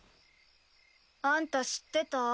あんた知ってた？